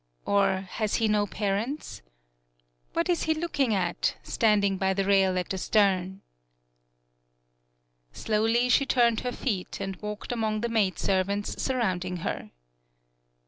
Or, has he no parents? What is he looking at, standing by the rail at the stern? Slowly she turned her feet and walked among the maidservants sur rounding her.